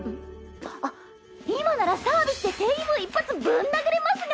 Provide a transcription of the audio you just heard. あっ今ならサービスで店員を１発ぶん殴れますが。